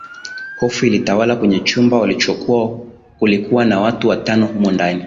Hofu ilitawala kwenye chumba walichokuwa kulikuwa na watu watano humo ndani